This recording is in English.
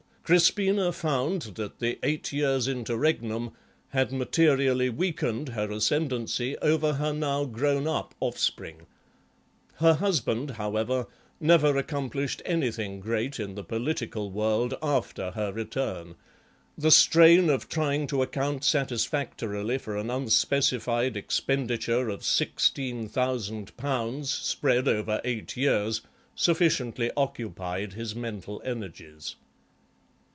"Crispina found that the eight years' interregnum had materially weakened her ascendancy over her now grown up offspring. Her husband, however, never accomplished anything great in the political world after her return; the strain of trying to account satisfactorily for an unspecified expenditure of sixteen thousand pounds spread over eight years sufficiently occupied his mental energies.